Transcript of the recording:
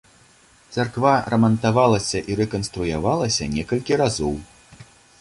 Царква рамантавалася і рэканструявалася некалькі разоў.